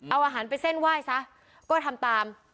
เอาอาหารไปเส้นไหว้ซะก็ทำตาม